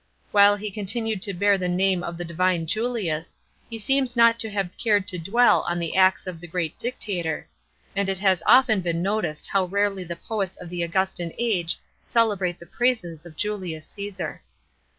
While he continued to bear the name of the divine Julius, he seems not to have cared to dwell on the acts of the great Dictator ; and it has often been noticed how rarely the poets of the Augustan age celebrate the praises of Julius Caesar.